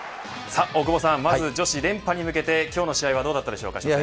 まず女子、連覇に向けて今日の試合はどうだったでしょうか。